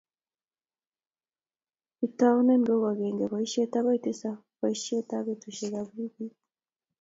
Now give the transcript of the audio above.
itounen ku agenge boisie agoi ko tisap boisie betusiekab wikit